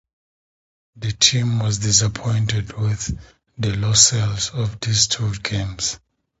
The team was disappointed with the low sales of these two games.